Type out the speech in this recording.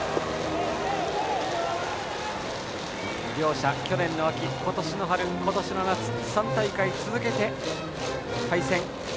両者、去年の秋、今年の春今年の夏、３大会続けて対戦。